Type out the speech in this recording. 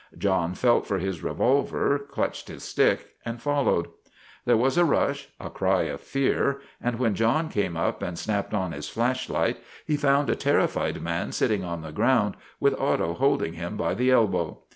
John felt for his revolver, clutched his stick, and followed. There was a rush, a cry of fear, and when John came up and snapped on his flashlight, he found a terrified man sitting on the ground, with Otto hold ing him by the elbow.